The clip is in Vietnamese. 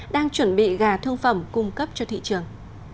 đang chuẩn bị gà thương phẩm cung cấp cho thị trường